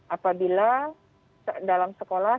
apabila dalam sekolah